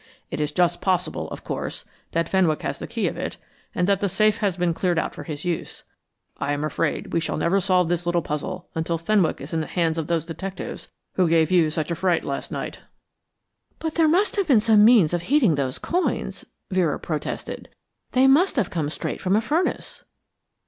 It is just possible, of course, that Fenwick has the key of it, and that the safe had been cleared out for his use. I am afraid we shall never solve this little puzzle until Fenwick is in the hands of those detectives who gave me such a fright last night." "But there must have been some means of heating those coins," Vera protested. "They must have come straight from a furnace."